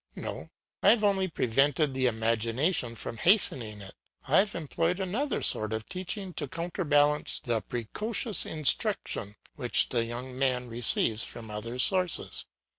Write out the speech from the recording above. No, I have only prevented the imagination from hastening it; I have employed another sort of teaching to counterbalance the precocious instruction which the young man receives from other sources.